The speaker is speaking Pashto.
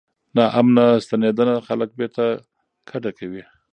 ناامنه ستنېدنه خلک بیرته کډه کوي.